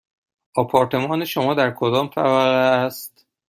آپارتمان شما در کدام طبقه است؟